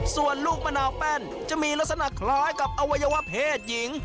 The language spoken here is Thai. ส่วนลูกมะนาวแป้นจะมีลักษณะคล้ายกับอวัยวะเพศหญิง